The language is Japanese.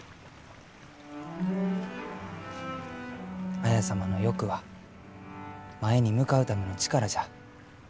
綾様の欲は前に向かうための力じゃ。